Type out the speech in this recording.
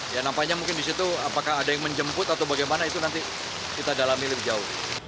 ya nampaknya mungkin di situ apakah ada yang menjemput atau bagaimana itu nanti kita dalami lebih jauh